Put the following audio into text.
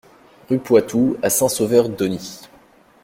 Rue Poitou à Saint-Sauveur-d'Aunis